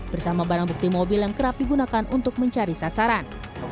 bersama barang bukti mobil yang kerap digunakan untuk mencari sasaran